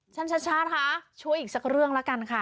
ช้าค่ะช่วยอีกสักเรื่องแล้วกันค่ะ